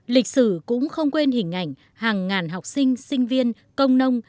lịch sử cũng không quên hình ảnh hàng ngàn học sinh sinh viên công nông